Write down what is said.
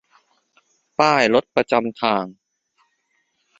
ป้ายรถประจำทาง